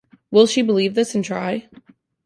Will she believe this and try?